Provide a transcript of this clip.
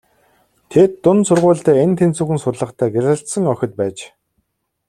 Тэд дунд сургуульдаа эн тэнцүүхэн сурлагатай гялалзсан охид байж.